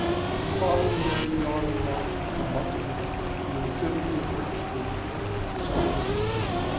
On the following day the army marched to Bunker Hill, in the vicinity of which it encamped for several days.